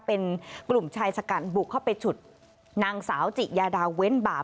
เป็นกลุ่มชายชะกันบุกเข้าไปฉุดนางสาวจิยาดาเว้นบาป